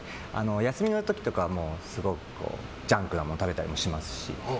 休みの時とかはすごくジャンクなものを食べたりもしますし。